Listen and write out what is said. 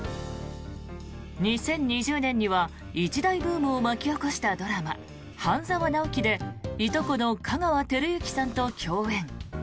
２０２０年には一大ブームを巻き起こしたドラマ「半沢直樹」でいとこの香川照之さんと共演。